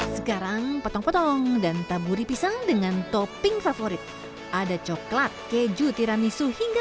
sekarang potong potong dan taburi pisang dengan topping favorit ada coklat keju tiramisu hingga